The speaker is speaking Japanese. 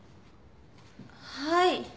はい。